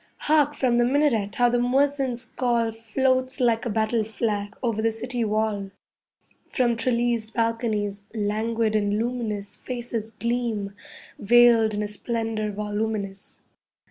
Hark, from the minaret, how the muezzin's call Floats like a battle flag over the city wall. From trellised balconies, languid and luminous Faces gleam, veiled in a splendour voluminous.